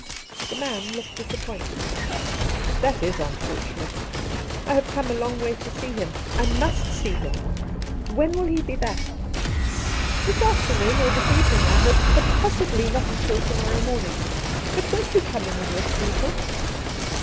The man looked disappointed. 200 Two Christmas Days ' That is unfortunate. I have come a long way to see him. I mtist see him. When will he be back?' ' This afternoon or this evening, I hope ; but possibly not until to morrow morning. But won't you come in and rest a little